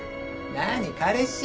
何彼氏？